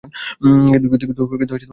কিন্তু কেন এ-সব কথা!